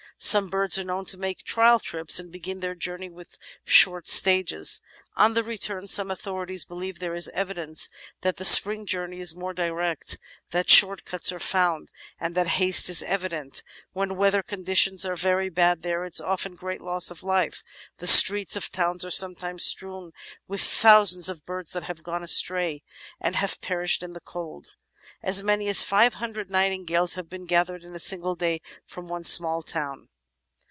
Some birds are known to make trial trips and begin their journey with short stages. On the return, some authorities believe there is evidence that the spring journey is more direct, that short cuts are found, and that haste is evident. When weather conditions are very bad there is often great loss of life. "The streets of towns are sometimes strewn with thousands of birds that have gone astray and have perished in the cold. As many as five hundred nightingales have been gathered in a single day from one small town."